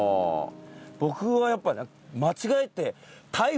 僕はやっぱ間違えて。